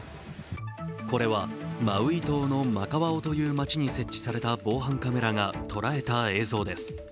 これはマウイ島のマカワオという街に設置された防犯カメラが捉えた映像です。